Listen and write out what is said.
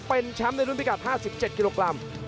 เป็นแชมป์ในรุ่นพิกัด๕๗กิโลกรัม